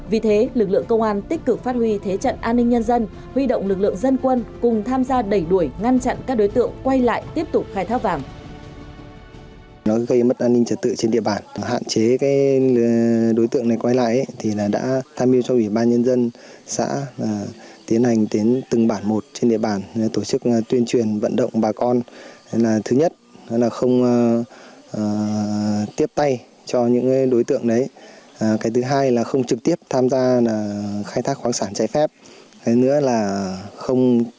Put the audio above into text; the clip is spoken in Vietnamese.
vì thế lực lượng công an tích cực phát huy thế trận an ninh nhân dân huy động lực lượng dân quân cùng tham gia đẩy đuổi ngăn chặn các đối tượng quay lại tiếp tục khai thác vàng